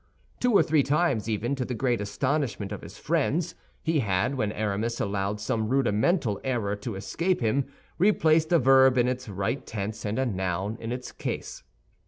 Two or three times, even, to the great astonishment of his friends, he had, when Aramis allowed some rudimental error to escape him, replaced a verb in its right tense and a noun in its case.